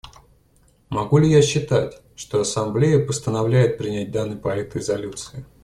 Могу ли я считать, что Ассамблея постановляет принять данный проект резолюции?